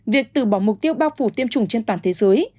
việc từ bỏ mục tiêu bao phủ tiêm chủng trên toàn thế giới